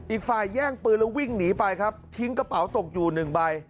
อีกฝ่ายแย่งปืนแล้ววิ่งหนีไปครับทิ้งกระเป๋าตกอยู่หนึ่งใบ